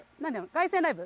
凱旋ライブ？